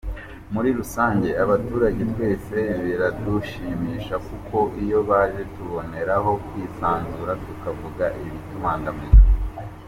Muri rusange, abaturage twese biradushimisha kuko iyo baje tuboneraho kwisanzura tukavuga ibitubangamiye.